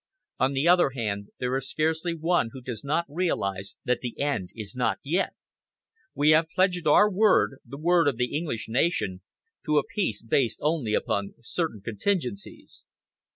On the other hand, there is scarcely one who does not realise that the end is not yet. We have pledged our word, the word of the English nation, to a peace based only upon certain contingencies.